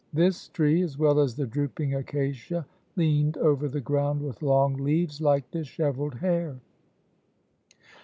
This tree, as well as the drooping acacia, leaned over the ground with long leaves like disheveled hair.